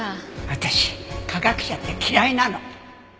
私科学者って嫌いなの！